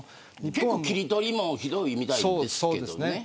結構切り取りもひどいみたいですね。